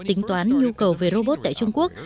tính toán nhu cầu về robot tại trung quốc